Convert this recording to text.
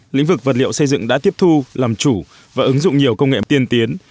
lĩnh vực vật liệu xây dựng đã tiếp thu làm chủ và ứng dụng nhiều công nghệ tiên tiến